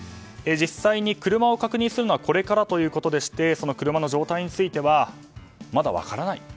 実際に車を確認するのはこれからということでして車の状態についてはまだ分からない。